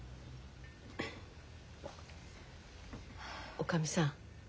おかみさん